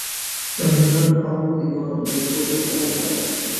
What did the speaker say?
د هرات ارګ یوه لرغونې کلا ده